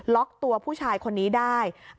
ล็อกตัวผู้ชายคนนี้ได้